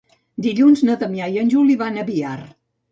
Dilluns na Damià i en Juli van a Biar.